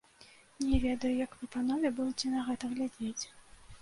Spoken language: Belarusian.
Не ведаю, як вы, панове, будзеце на гэта глядзець.